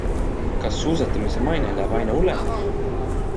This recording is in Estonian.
Kas suusatamise maine läheb aina hullemaks?